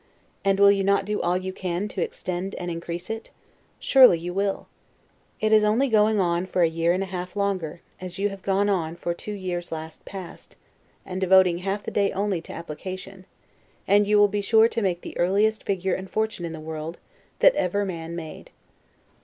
And will you not do all you can to extend and increase it? Surely you will. It is only going on for a year and a half longer, as you have gone on for the two years last past, and devoting half the day only to application; and you will be sure to make the earliest figure and fortune in the world, that ever man made.